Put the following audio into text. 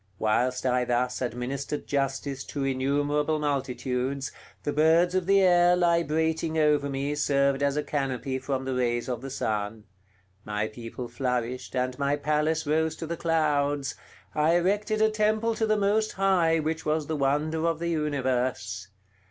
Whilst I thus administered justice to innumerable multitudes, the birds of the air librating over me served as a canopy from the rays of the sun; my people flourished, and my palace rose to the clouds; I erected a temple to the Most High which was the wonder of the universe.